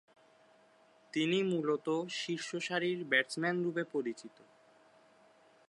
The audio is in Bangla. তিনি মূলতঃ শীর্ষসারির ব্যাটসম্যানরূপে পরিচিত।